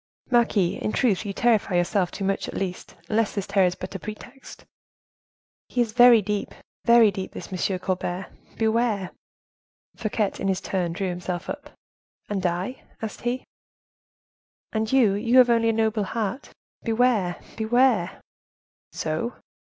—" "Marquise, in truth you terrify yourself too much at least, unless this terror is but a pretext—" "He is very deep, very deep; this M. Colbert: beware!" Fouquet, in his turn, drew himself up. "And I?" asked he. "And you, you have only a noble heart. Beware! beware!" "So?"